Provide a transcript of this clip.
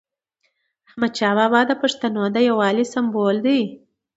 احمدشاه بابا د پښتنو یووالي سمبول دی.